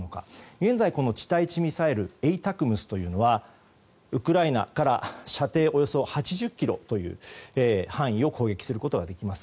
現在、地対地ミサイルＡＴＡＣＭＳというのはウクライナから射程およそ８０ｋｍという範囲を攻撃することができます。